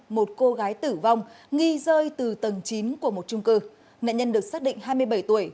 một cô gái tử vong nghi rơi từ tầng chín của một trung cư nạn nhân được xác định hai mươi bảy tuổi